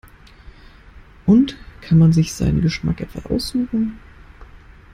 Und kann man sich seinen Geschmack etwa aussuchen?